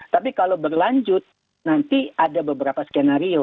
tapi kalau berlanjut nanti ada beberapa skenario